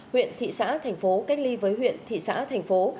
huyện thị xã thành phố cách ly với huyện thị xã thành phố